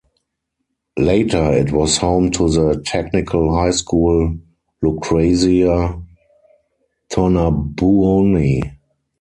Later, it was home to the Technical High School Lucrezia Tornabuoni.